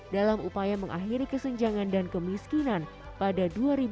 dalam upaya mengakhiri kesenjangan dan kemiskinan pada dua ribu dua puluh